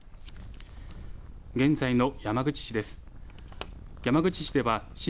現在の山口市です。